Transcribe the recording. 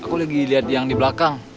aku lagi lihat yang di belakang